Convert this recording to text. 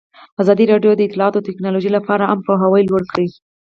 ازادي راډیو د اطلاعاتی تکنالوژي لپاره عامه پوهاوي لوړ کړی.